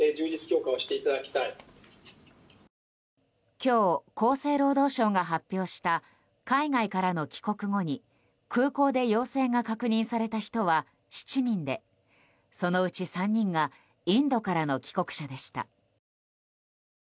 今日、厚生労働省が発表した海外からの帰国後に、空港で陽性が確認された人は７人でそのうち３人がインドからの帰国者でした。